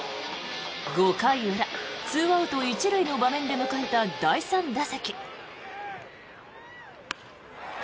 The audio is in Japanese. ５回裏、２アウト１塁の場面で迎えた第３打席。